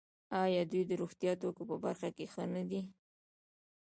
آیا دوی د روغتیايي توکو په برخه کې ښه نه دي؟